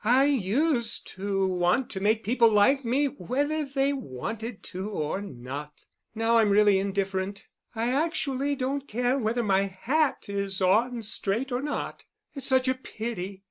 I used to want to make people like me whether they wanted to or not. Now I'm really indifferent. I actually don't care whether my hat is on straight or not. It's such a pity.